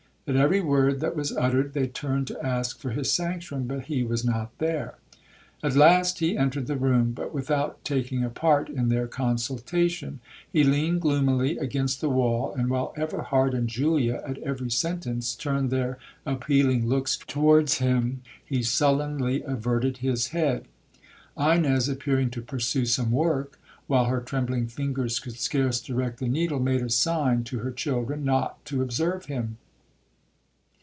At every word that was uttered, they turned to ask for his sanction—but he was not there. At last he entered the room, but without taking a part in their consultation. He leaned gloomily against the wall, and while Everhard and Julia, at every sentence, turned their appealing looks towards him, he sullenly averted his head. Ines, appearing to pursue some work, while her trembling fingers could scarce direct the needle, made a sign to her children not to observe him.